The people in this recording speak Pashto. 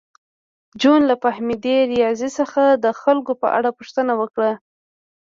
جون له فهمیدې ریاض څخه د خلکو په اړه پوښتنه وکړه